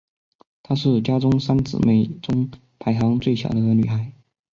她是家中三姊妹里排行最小的女孩。